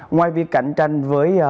ngoài việc cạnh tranh với